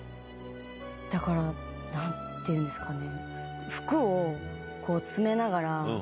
だから何ていうですかね。